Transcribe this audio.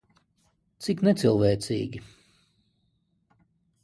Cik necilvēcīgi.